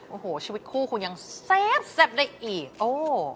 โอ้โหชีวิตคู่คุณยังแซ่บได้อีกโอ้